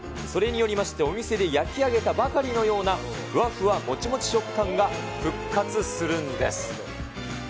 それによりまして、お店で焼き上げたばかりのような、ふわふわ、もちもち食感が復活するんです。